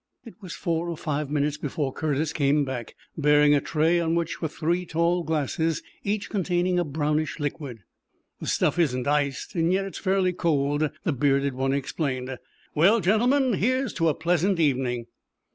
It was four or five minutes before Curtis came back, bearing a tray on which were three tall glasses, each containing a brownish liquid. "The stuff isn't iced, yet it's fairly cold," the bearded one explained. "Well, gentlemen, here's to a pleasant evening!"